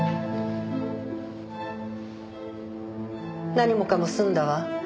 何もかも済んだわ。